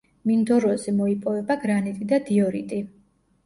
მინდოროზე მოიპოვება გრანიტი და დიორიტი.